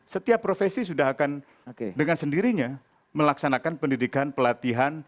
setiap profesi sudah akan dengan sendirinya melaksanakan pendidikan pelatihan